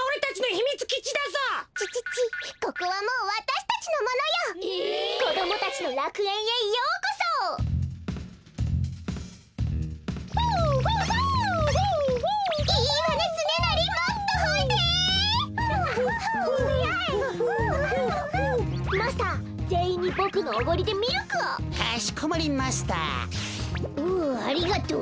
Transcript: ふうありがとう。